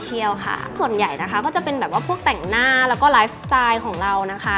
เที่ยวค่ะส่วนใหญ่นะคะก็จะเป็นแบบว่าพวกแต่งหน้าแล้วก็ไลฟ์สไตล์ของเรานะคะ